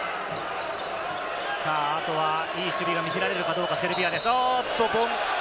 あとはいい守備が見せられるかどうか、セルビアです。